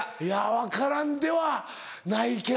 分からんではないけどな。